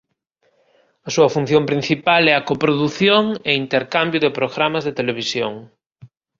A súa función principal é a coprodución e intercambio de programas de televisión.